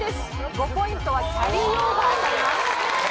５ポイントはキャリーオーバーされます。